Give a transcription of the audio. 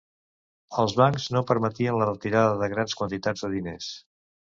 Els bancs no permetien la retirada de grans quantitats de diners